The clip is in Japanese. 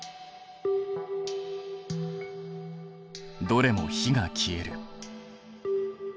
どれも火が消える。